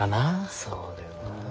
そうだよな。